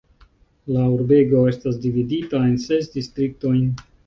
La urbego estas dividita en ses distriktojn.